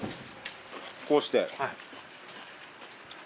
こうして。